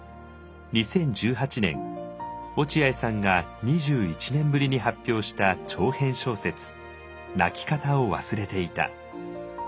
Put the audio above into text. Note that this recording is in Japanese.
２０１８年落合さんが２１年ぶりに発表した長編小説「泣きかたをわすれていた」。